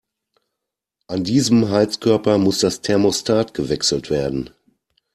An diesem Heizkörper muss das Thermostat gewechselt werden.